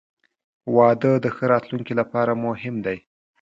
• واده د ښه راتلونکي لپاره مهم دی.